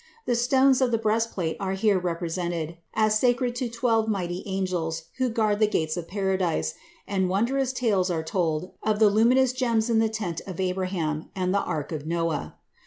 The stones of the breastplate are here represented as sacred to twelve mighty angels who guard the gates of Paradise, and wondrous tales are told of the luminous gems in the tent of Abraham and the ark of Noah.